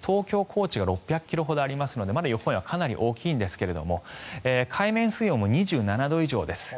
高知が６００ｋｍほどありますのでまだ予報円はかなり大きいんですが海面水温も２７度以上です。